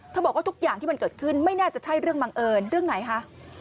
บอกว่าทุกอย่างที่มันเกิดขึ้นไม่น่าจะใช่เรื่องบังเอิญเรื่องไหนคะ